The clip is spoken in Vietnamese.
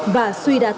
và suy đa tạng